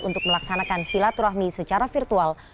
untuk melaksanakan silaturahmi secara virtual